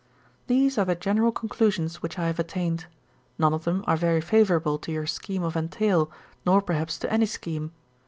'These are the general conclusions which I have attained. None of them are very favourable to your scheme of entail, nor perhaps to any scheme.